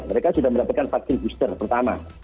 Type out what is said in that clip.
mereka sudah mendapatkan vaksin booster pertama